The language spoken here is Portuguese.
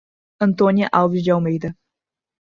Antônia Alves de Almeida